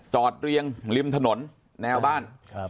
จอดเรียงริมถนนแนวบ้าน